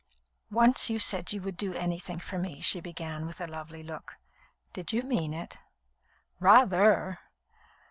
"Once you said you would do anything for me," she began, with a lovely look. "Did you mean it?" "Rather!"